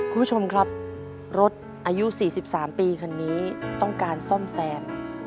คุณผู้ชมครับรถอายุ๔๓ปีคันนี้ต้องการซ่อมแซม